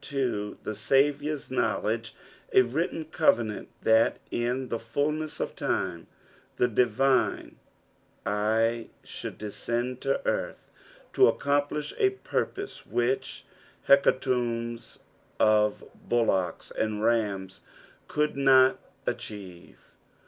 to the aviour's knowledge, a written covenant, that in the fulness of time the divine I should descend to earth to accomplish a purpose which hecatombs of bullocks and rams could not achieve.